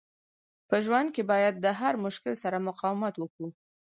په ژوند کښي باید د هر مشکل سره مقاومت وکو.